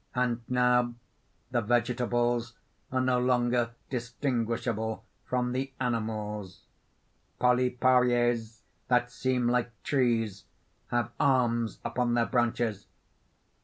_ _And now the vegetables are no longer distinguishable from the animals. Polyparies that seem like trees, have arms upon their branches.